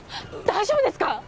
大丈夫ですか？